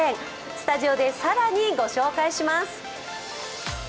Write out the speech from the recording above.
スタジオで更にご紹介します。